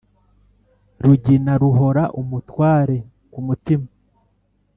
Rugina ruhora umutware ku mutima,